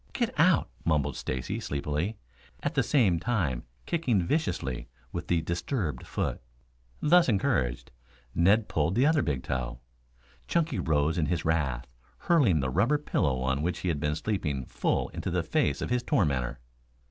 "Get out," mumbled Stacy sleepily, at the same time kicking viciously with the disturbed foot. Thus encouraged, Ned pulled the other big toe. Chunky rose in his wrath, hurling the rubber pillow on which he had been sleeping full into the face of his tormentor.